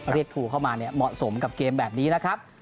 ถูกเข้ามาเนี่ยเหมาะสมกับเกมแบบนี้นะครับ